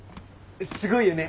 すごいよね！